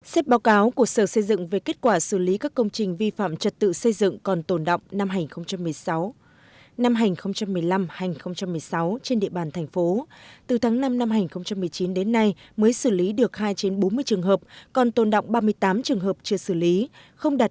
xếp báo cáo của sở xây dựng về kết quả xử lý các công trình vi phạm trật tự xây dựng còn tồn động năm hành một mươi sáu